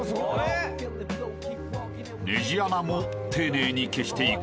［ネジ穴も丁寧に消していく］